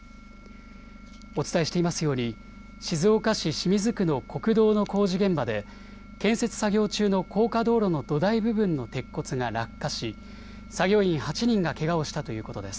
お伝えしていますように静岡市清水区の国道の工事現場で建設作業中の高架道路の土台部分の鉄骨が落下し、作業員８人がけがをしたということです。